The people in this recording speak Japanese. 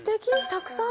たくさん。